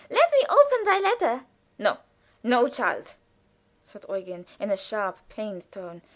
"Let me open thy letter!" "No, no, child!" said Eugen, in a sharp, pained tone.